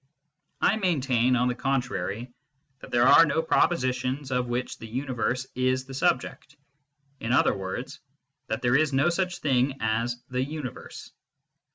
I maintain, on the contrary, that there are no propositions of which the " universe " is the sub ject ; in other words, that there is no such thing as the " universe."